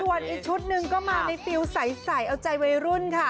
ส่วนอีกชุดหนึ่งก็มาในฟิลใสเอาใจวัยรุ่นค่ะ